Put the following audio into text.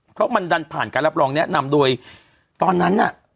เพราะมันดันผ่านการรับรองแนะนำโดยตอนนั้นน่ะ